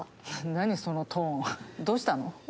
そのトーンどうしたの？